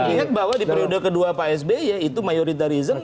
ingat bahwa di periode kedua pak sby itu mayoritarism